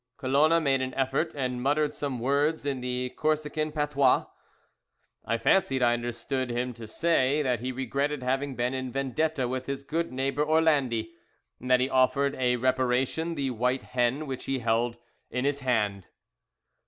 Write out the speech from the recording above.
Colona made an effort and muttered some words in the Corsican patois. I fancied I understood him to say that he regretted having been in Vendetta with his good neighbour Orlandi, and that he offered in reparation the white hen which he held in his hand.